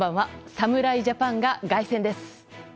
侍ジャパンが凱旋です。